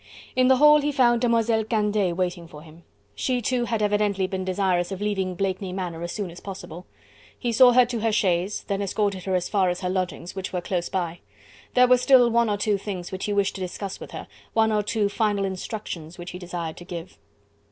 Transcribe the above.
In the hall he found Demoiselle Candeille waiting for him. She, too, had evidently been desirous of leaving Blakeney Manor as soon as possible. He saw her to her chaise; then escorted her as far as her lodgings, which were close by: there were still one or two things which he wished to discuss with her, one or two final instructions which he desired to give.